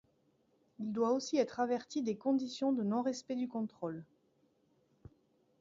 Il doit aussi être averti des conditions de non-respect du contrôle.